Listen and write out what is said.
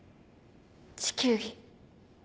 地球儀。